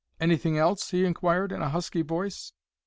"Anything else?" he inquired, in a husky voice.